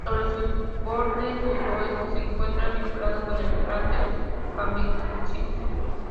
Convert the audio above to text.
Sobre su borde suroeste se encuentra vinculado con el cráter Fabricius.